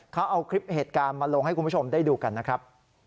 เขาเอาคลิปเหตุการณ์มาลงให้คุณผู้ชมได้ดูกันนะครับ